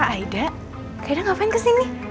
kak aida kak aida ngapain kesini